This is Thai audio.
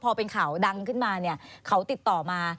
พอเป็นข่าวดังขึ้นมาเนี่ยเขาติดต่อมา